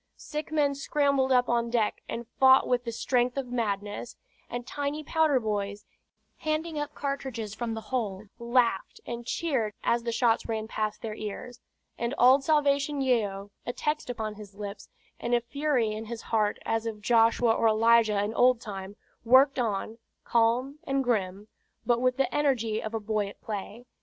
Sick men scrambled up on deck and fought with the strength of madness; and tiny powder boys, handing up cartridges from the hold, laughed and cheered as the shots ran past their ears; and old Salvation Yeo, a text upon his lips, and a fury in his heart as of Joshua or Elijah in old time, worked on, calm and grim, but with the energy of a boy at play.